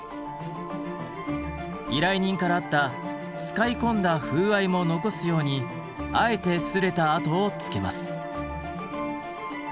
依頼人からあった使い込んだ風合いも残すようにあえて擦れた痕をつけます。